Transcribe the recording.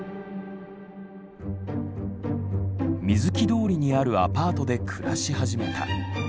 水木通りにあるアパートで暮らし始めた。